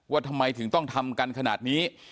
ว่าทำไมถึงต้องทำกันขนาดนี้